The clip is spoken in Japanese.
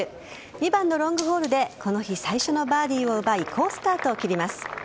２番のロングホールでこの日最初のバーディーを奪い好スタートを切ります。